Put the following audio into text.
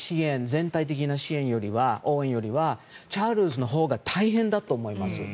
全体的な支援よりは、応援よりはチャールズのほうが大変だと思います。